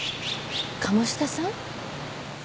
鴨志田さん？